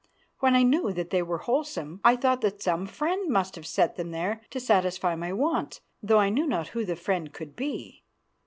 When I knew that they were wholesome I thought that some friend must have set them there to satisfy my wants, though I knew not who the friend could be.